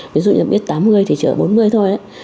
ví dụ như biết tám mươi thì chở bốn mươi thôi ấy